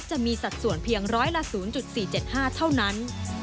สัดส่วนเพียงร้อยละ๐๔๗๕เท่านั้น